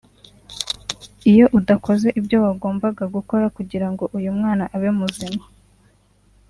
iyo udakoze ibyo wagombaga gukora kugira ngo uyu mwana abe muzima